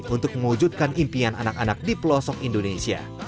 untuk mewujudkan impian anak anak di pelosok indonesia